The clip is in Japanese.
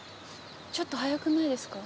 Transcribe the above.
ちょっと早くないですか？